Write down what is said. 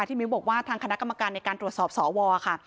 มิ้วบอกว่าทางคณะกรรมการในการตรวจสอบสวค่ะ